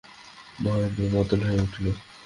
মহেন্দ্র মাতাল হইয়া উঠিল।